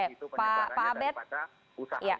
itu penyebarannya daripada usaha